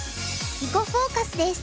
「囲碁フォーカス」です。